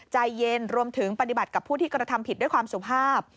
ใจเย็นรวมถึงปฏิบัติกับผู้ที่กระทำผิดด้วยความสุภาพ